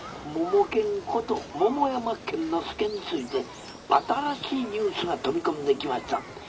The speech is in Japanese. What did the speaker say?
モモケンこと桃山剣之介について新しいニュースが飛び込んできました。